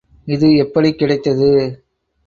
இது எப்படிக் கிடைத்தது?